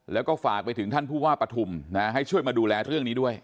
แล้วก็ฝากไปถึงท่านผู้ว่าปฐุมให้ช่วยมาดูแลเรื่องนี้ด้วย